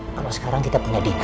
kalau sekarang kita punya dika